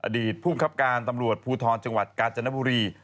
ภูมิครับการตำรวจภูทรจังหวัดกาญจนบุรี